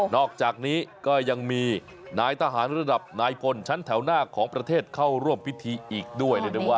อกจากนี้ก็ยังมีนายทหารระดับนายพลชั้นแถวหน้าของประเทศเข้าร่วมพิธีอีกด้วยว่า